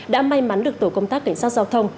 đã may mắn được tổ công tác cảnh sát giao thông